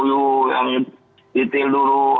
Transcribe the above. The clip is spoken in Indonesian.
harus ada orang yang kata kata ketemu misalnya